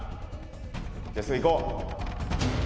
じゃあすぐ行こう。